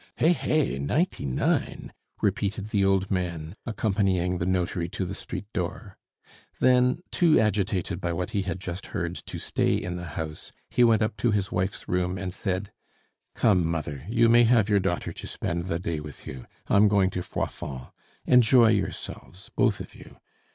"Hey, hey! Ninety nine!" repeated the old man, accompanying the notary to the street door. Then, too agitated by what he had just heard to stay in the house, he went up to his wife's room and said, "Come, mother, you may have your daughter to spend the day with you. I'm going to Froidfond. Enjoy yourselves, both of you.